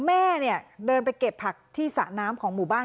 แม่เนี่ยเดินไปเก็บผักที่สระน้ำของหมู่บ้าน